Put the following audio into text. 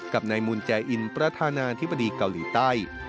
กับนายมูลแจอินประธานาธิบดีเกาหลีใต้